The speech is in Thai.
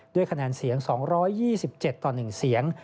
ด้วยคะแนนเสียง๒๒๗ต่อ๑เสียง